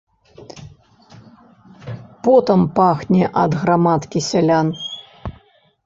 Потам пахне ад грамадкі сялян.